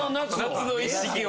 夏の一式を。